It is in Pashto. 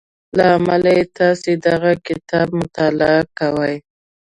له امله يې تاسې دغه کتاب مطالعه کوئ.